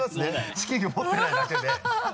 地球儀持ってないだけで。